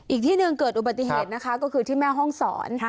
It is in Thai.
อีกที่หนึ่งเกิดอุบัติเหตุนะคะก็คือที่แม่ห้องศร